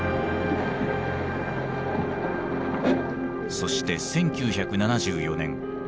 そして１９７４年。